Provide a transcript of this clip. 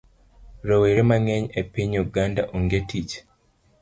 Rowere mang'eny e piny Uganda onge tich